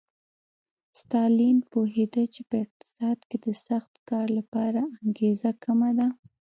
ستالین پوهېده چې په اقتصاد کې د سخت کار لپاره انګېزه کمه ده